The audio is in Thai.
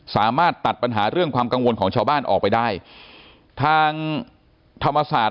สามารถตัดปัญหาเรื่องความกังวลของชาวบ้านออกไปได้ทางธรรมศาสตร์